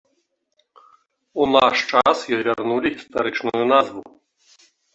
У наш час ёй вярнулі гістарычную назву.